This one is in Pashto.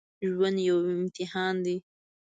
ژوند یو امتحان دی